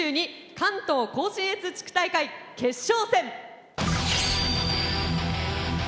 関東甲信越地区大会」決勝戦！